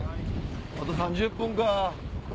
あと３０分か。